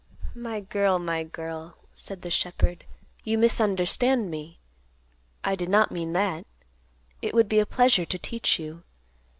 "My girl, my girl," said the shepherd, "you misunderstand me. I did not mean that. It would be a pleasure to teach you.